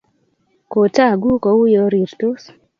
Kotagu kouyo rirtos